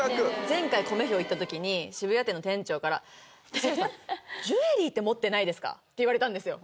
前回コメ兵行った時に渋谷店の店長から「指原さんジュエリーって持ってないですか？」って言われたんですよ